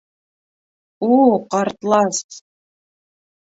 У, ҡартлас...